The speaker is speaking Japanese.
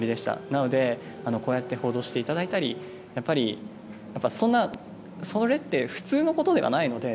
なので、こうやって報道していただいたりやっぱり、それって普通のことではないので。